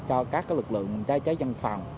cho các lực lượng phòng cháy cháy dân phòng